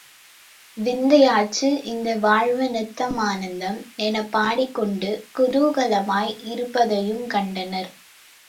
விந்தை யாச்சு இந்த வாழ்வு நித்தம் ஆனந்தம்! எனப் பாடிக் கொண்டு குதூகலமாய் இருப்பதையுங் கண்டனர்.